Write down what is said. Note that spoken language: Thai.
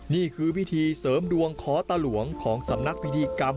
นี่คือพิธีเสริมดวงขอตะหลวงของสำนักพิธีกรรม